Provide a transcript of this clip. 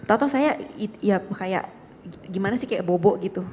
atau saya ya kayak gimana sih kayak bobo gitu